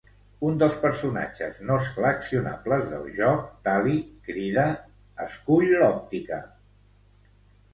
Un dels personatges no seleccionables del joc, Tali, crida, "Escull l'òptica!".